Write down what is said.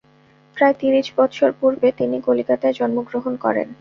প্রায় ত্রিশ বৎসর পূর্বে তিনি কলিকাতায় জন্মগ্রহণ করেন।